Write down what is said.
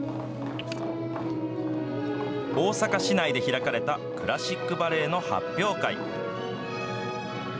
大阪市内で開かれたクラシックバレエの発表会。